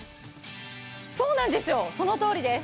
そうなんですよ、そのとおりです。